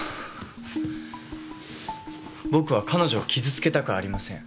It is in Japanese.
僕は彼女を傷つけたくありません。